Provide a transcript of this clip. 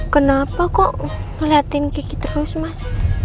kenapa kok ngeliatin kiki terus mas